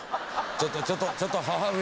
ちょっとちょっとちょっと義母上！